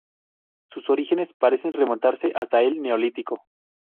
Sus orígenes parecen remontarse hasta el neolítico.